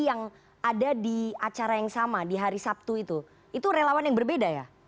yang ada di acara yang sama di hari sabtu itu itu relawan yang berbeda ya